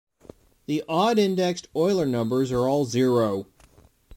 The odd-indexed Euler numbers are all zero.